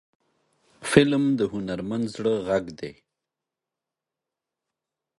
فلم د هنرمند زړه غږ دی